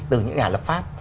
từ những nhà lập pháp